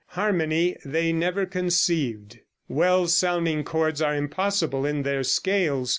Harmony they never conceived. Well sounding chords are impossible in their scales.